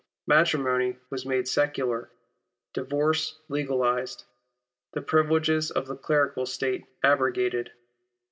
Matrimony was made secular, divorce legalised, the privileges of the clerical state abrogated.